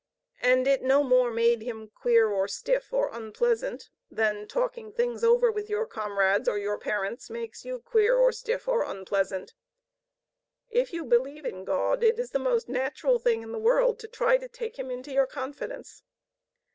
And it no more made him queer or stiff or unpleasant than talking things over with your comrades or your parents makes you queer or stiff or unpleasant. If you believe in God, it is the most natural thing in the world to try to take Him into your confidence.